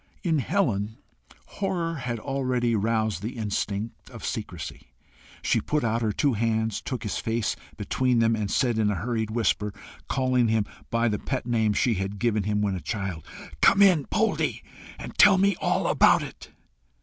In Helen, horror had already roused the instinct of secrecy. She put out her two hands, took his face between them, and said in a hurried whisper, calling him by the pet name she had given him when a child, "Come in, Poldie, and tell me all about it."